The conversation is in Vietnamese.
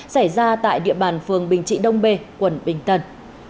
xảy ra tại địa bàn phường bình trị đông bê quận bình tân